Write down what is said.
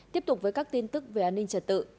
tiếp tục với các tin tức về an ninh trật tự